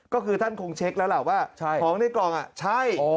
ก็คือท่านคงเช็คแล้วล่ะว่าของในกล่องใช่